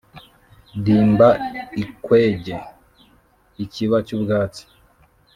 Dimba ikwege-Ikiba cy'ubwatsi.